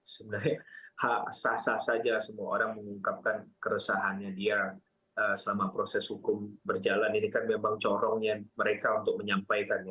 sebenarnya sah sah saja semua orang mengungkapkan keresahannya dia selama proses hukum berjalan ini kan memang corongnya mereka untuk menyampaikannya